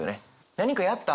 「何かやった？」